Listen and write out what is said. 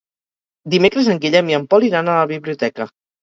Dimecres en Guillem i en Pol iran a la biblioteca.